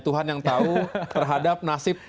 tuhan yang tahu terhadap nasib